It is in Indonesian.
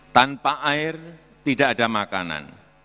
tanpa air tidak ada makanan